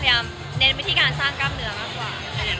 เน้นวิธีการสร้างกล้ามเนื้อมากกว่า